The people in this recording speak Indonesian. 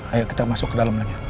ayo kita masuk ke dalam lagi